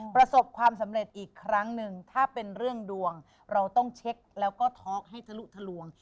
ประสบความสำเร็จอีกครั้งหนึ่งถ้าเป็นเรื่องดวงเราต้องเช็คแล้วก็ท็อกให้ทะลุทะลวง